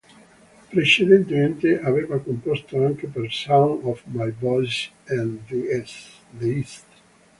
Precedentemente aveva composto anche per Sound of My Voice e The East.